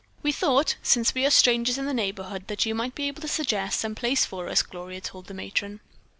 "We thought, since we are strangers in the neighborhood, that you might be able to suggest some place for us," Gloria told the matron.